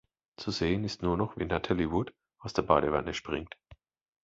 Zu sehen ist nur noch, wie Natalie Wood aus der Badewanne springt.